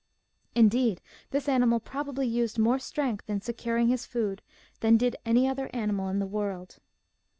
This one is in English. Indeed, this animal probably used more strength in securing his food than did any other animal in the world.